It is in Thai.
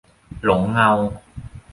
หลงเงา